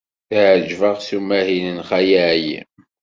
Tɛejjbeɣ s umahil n Xali Ɛli.